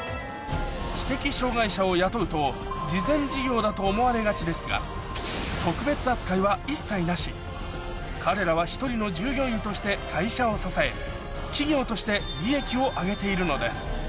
知的障がい者を雇うと慈善事業だと思われがちですが彼らは１人の従業員として会社を支え企業として利益を上げているのです